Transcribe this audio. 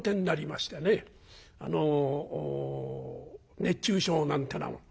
あの熱中症なんてなもの